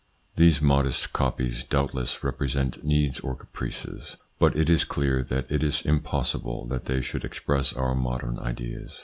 These modest copies doubtless represent needs or caprices, but it is clear that it is impossible that they should express our modern ideas.